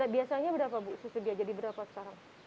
biasanya berapa bu susu dia jadi berapa sekarang